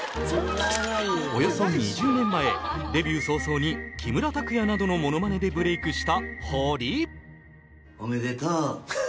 およそ２０年前デビュー早々に木村拓哉などのものまねでブレイクした。